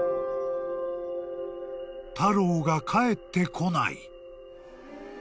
［タローが帰ってこない］